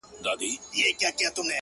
o پرده به خود نو. گناه خوره سي.